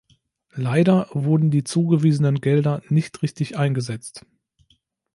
Leider wurden die zugewiesenen Gelder nicht richtig eingesetzt.